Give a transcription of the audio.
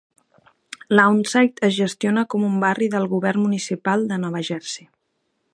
Lawnside es gestiona com un barri del govern municipal de Nova Jersey.